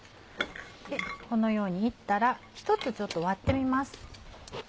このように炒ったら１つ割ってみます。